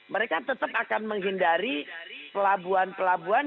mereka tetap akan menghindari pelabuhan pelabuhan